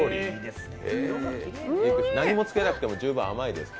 何もつけなくても十分甘いですか？